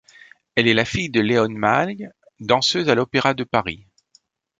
Elle est la fille de Léone Mail, danseuse à l'Opéra de Paris.